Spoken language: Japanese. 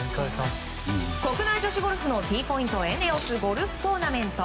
国内女子ゴルフのＴポイント×ＥＮＥＯＳゴルフトーナメント。